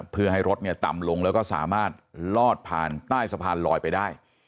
เพื่อให้รถต่ำลงแล้วก็สามารถลอดผ่านใต้สะพานลอยไปได้